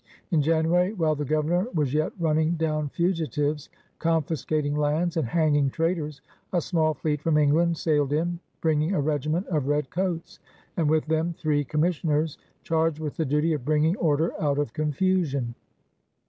In January, while the Governor was yet running down fugitives, confiscating lands, and hanging ^^ traitors/' a small fleet from England sailed in, bringing a regiment of ^'Red Coates," and with them three commissioners charged with the duty of bringing order out of confusion.